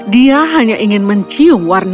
dia hanya ingin mencium warna